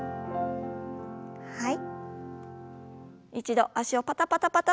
はい。